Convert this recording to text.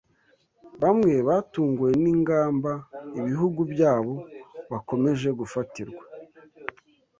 Bamwe batunguwe ni ingamba ibihugu byabo bakomeje gufatirwa